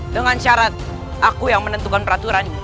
dengan syarat aku yang menentukan peraturan